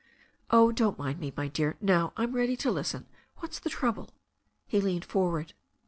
"Oh, don't mind me, my dear. Now I'm ready to listen. What's the trouble?" He leaned forward.